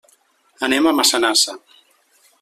Anem a Massanassa.